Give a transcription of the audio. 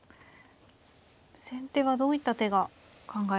先手はどういった手が考えられますか。